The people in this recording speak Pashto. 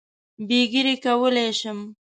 بې ږیرې کولای شم.